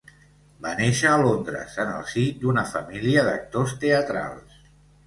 Va néixer a Londres en el si d’una família d’actors teatrals.